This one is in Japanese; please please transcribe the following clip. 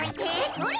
それ。